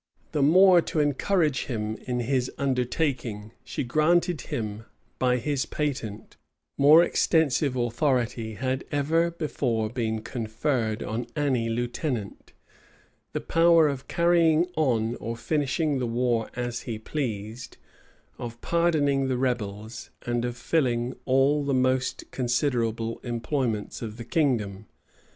The more to encourage him in his undertaking, she granted him by his patent more extensive authority had ever before been conferred on any lieutenant; the power of carrying on or finishing the war as he pleased, of pardoning the rebels, and of filling all the most considerable employments of the kingdom.